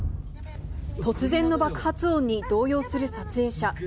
突然の爆発音に動揺する撮影者。